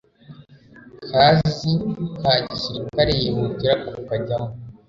kazi ka gisirikare yihutira kukajyamo